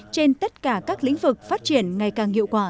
trên tất cả các lĩnh vực phát triển ngày càng hiệu quả